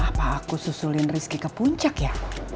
apa aku susulin rizky ke puncak ya